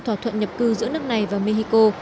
thỏa thuận nhập cư giữa nước này và mexico